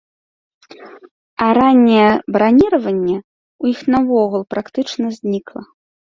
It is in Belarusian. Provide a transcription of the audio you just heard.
А ранняе браніраванне ў іх наогул практычна знікла.